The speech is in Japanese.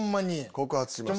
告発します。